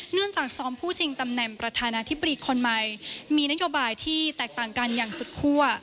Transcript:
เนื่องจากซ้อมผู้ชิงตำแหน่งประธานาธิบดีคนใหม่มีนโยบายที่แตกต่างกันอย่างสุดคั่ว